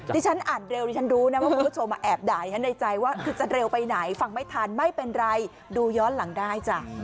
ที่ฉันอ่านเร็วดิฉันรู้นะว่าคุณผู้ชมแอบด่าฉันในใจว่าคือจะเร็วไปไหนฟังไม่ทันไม่เป็นไรดูย้อนหลังได้จ้ะ